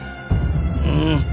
うん。